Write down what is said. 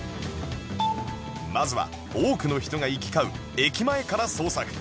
まずは多くの人が行き交う駅前から捜索